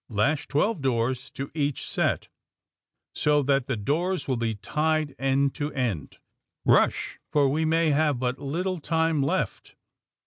Lash twelve doors to each set, so that the doors will be tied end to end. Rush, for we may have but little time left.